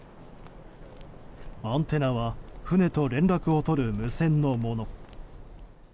アンテナは船と連絡を取る無線のもの。